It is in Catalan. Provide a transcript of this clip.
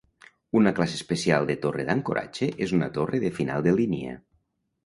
Una classe especial de torre d'ancoratge és una torre de final de línia.